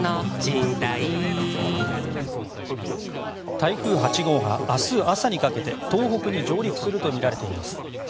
台風８号が明日、朝にかけて東北に上陸するとみられています。